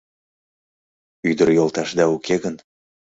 Ӱдыр йолташда уке гын